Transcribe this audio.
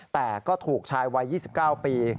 แต่ก็ถูกชายวัย๒๙ปี